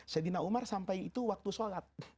sayyidina umar sampai itu waktu sholat